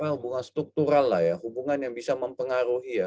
memang hubungan struktural lah ya hubungan yang bisa mempengaruhi ya